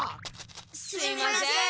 すみません。